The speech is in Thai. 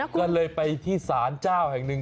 ก็เลยไปที่ศาลเจ้าแห่งหนึ่ง